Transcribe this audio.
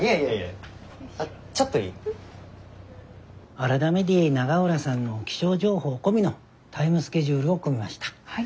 改めて永浦さんの気象情報込みのタイムスケジュールを組みました。